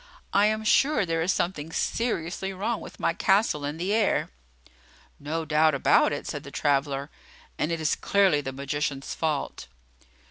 I am sure there is something seriously wrong with my castle in the air." "No doubt about it," said the traveller; "and it is clearly the magician's fault."